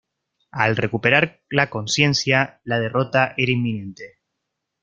Al recuperar la consciencia, la derrota era inminente.